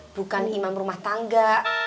bukan imam rumah tangga